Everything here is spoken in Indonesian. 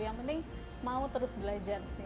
yang penting mau terus belajar sih